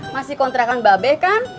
masih kontrakan babeh kan